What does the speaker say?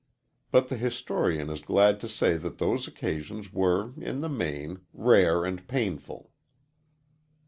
But the historian is glad to say that those occasions were, in the main, rare and painful.